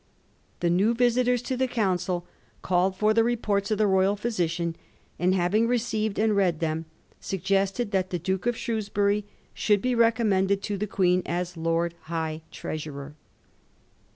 The new visitors to the Council called for the reports of the royal physician, and having received and read tiiem, suggested that tiie Duke of Shrews bury should be recommended to the Queen as Lord Hig h Treasurer.